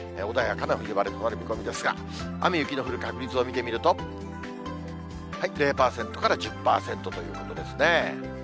穏やかな冬晴れとなる見込みですが、雨、雪の降る確率を見てみると、０％から１０％ということですね。